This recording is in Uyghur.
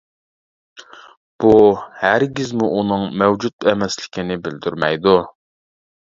بۇ ھەرگىزمۇ ئۇنىڭ مەۋجۇت ئەمەسلىكىنى بىلدۈرمەيدۇ.